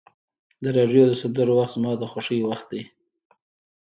د راډیو د سندرو وخت زما د خوښۍ وخت دی.